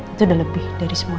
itu udah lebih dari semuanya